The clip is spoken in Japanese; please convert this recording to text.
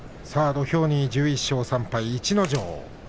土俵に１１勝３敗逸ノ城。